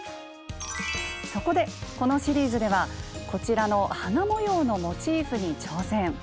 そこでこのシリーズではこちらの「花模様のモチーフ」に挑戦！